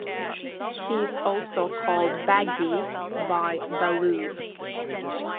He is also called "Baggy" by Baloo.